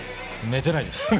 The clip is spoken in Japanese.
寝てないです。